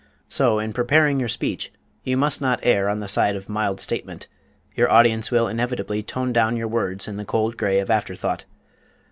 So in preparing your speech you must not err on the side of mild statement your audience will inevitably tone down your words in the cold grey of afterthought.